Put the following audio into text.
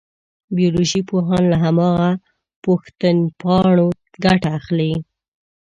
بیولوژي پوهان له هماغه پوښتنپاڼو ګټه اخلي.